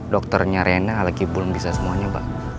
dokternya rena lagi belum bisa semuanya pak